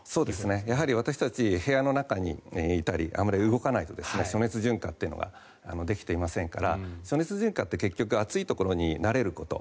やはり私たち部屋の中にいたりあまり動かないと暑熱順化っていうのができていませんから暑熱順化って暑いところに慣れること